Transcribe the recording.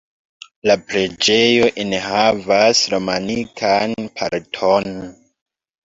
La preĝejo enhavas romanikan parton.